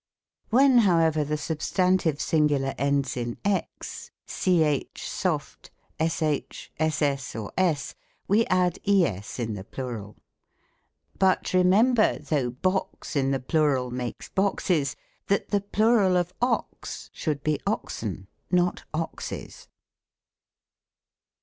ETYMOLOGY. When, however, the substantive singular ends la x, ch soft, sh, ss, or s, we add es in the plural. But remember, though box In the plural makes boxes. That the plural of ox Should be oxen, not oxes.